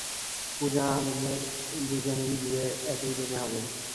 পূজা, আমদের দুজনেরই বিয়ে, একই দিনে হবে।